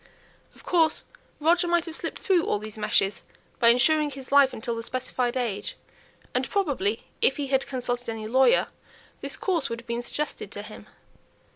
Of course Roger might have slipped through all these meshes by insuring his life until the specified age; and, probably, if he had consulted any lawyer, this course would have been suggested to him.